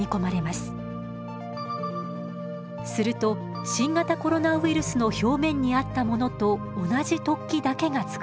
すると新型コロナウイルスの表面にあったものと同じ突起だけがつくられます。